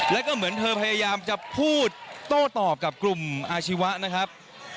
แล้วก็เหมือนเธอพยายามจะพูดโต้ตอบกับกลุ่มอาชีวะนะครับ